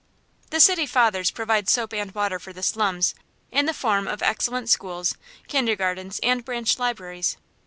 The City Fathers provide soap and water for the slums, in the form of excellent schools, kindergartens, and branch libraries.